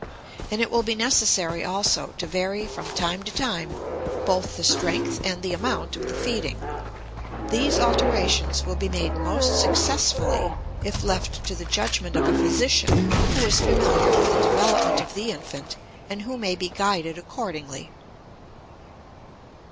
And it will be necessary also to vary from time to time both the strength and the amount of the feeding. These alterations will be made most successfully if left to the judgment of a physician who is familiar with the development of the infant and who may be guided accordingly.